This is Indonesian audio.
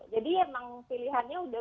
jadi emang pilihannya sudah